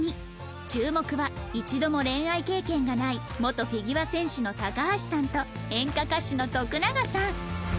注目は一度も恋愛経験がない元フィギュア選手の高橋さんと演歌歌手の徳永さん